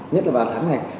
nhất là vào tháng này